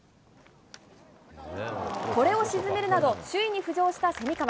これを沈めるなど、首位に浮上した蝉川。